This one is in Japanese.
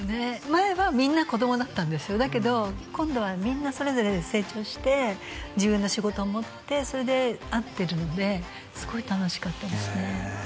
前はみんな子供だったんですよだけど今度はみんなそれぞれ成長して自分の仕事を持ってそれで会ってるのですごい楽しかったですね